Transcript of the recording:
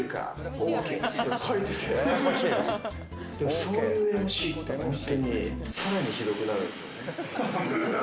ＯＫ！とか書いてでもそういうＭＣって本当にさらにひどくなるんすよね。